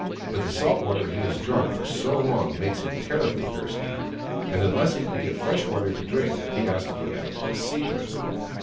But the salt water he has drunk for so long makes him terribly thirsty, and unless he can get fresh water to drink he has to go back to his sea prison."